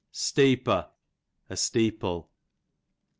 Steepo, a steeple.